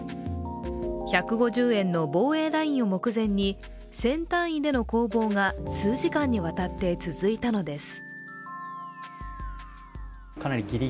１５０円の防衛ラインを目前に、銭単位での攻防が数時間にわたって続いたのです。